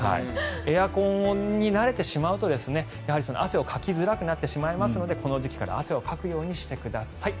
エアコンに慣れてしまうと汗をかきづらくなってしまうのでこの時期から汗をかくようにしてください。